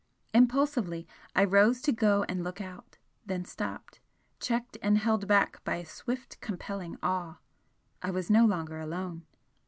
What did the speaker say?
Impulsively I rose to go and look out then stopped checked and held back by a swift compelling awe I was no longer alone.